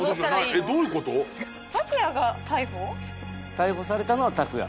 逮捕されたのは拓哉。